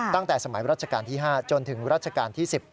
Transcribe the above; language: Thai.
ตั้งแต่สมัยรัชกาลที่๕จนถึงรัชกาลที่๑๐